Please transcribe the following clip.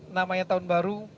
namanya tahun baru